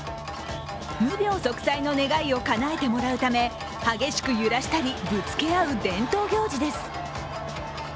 無病息災の願いをかなえてもらうため、激しく揺らしたり、ぶつけ合う伝統行事です。